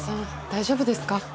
大丈夫ですか？